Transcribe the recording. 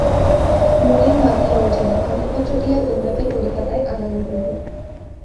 নলিন মাতিয়া উঠিল, খরচপত্র দিয়া কন্যাকে কলিকাতায় আনানো হইল।